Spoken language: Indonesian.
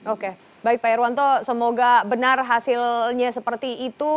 oke baik pak irwanto semoga benar hasilnya seperti itu